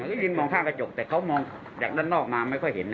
ได้ยินมองข้างกระจกแต่เขามองจากด้านนอกมาไม่ค่อยเห็น